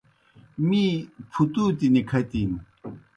می پُھتُوتیْ نِکھتِن۔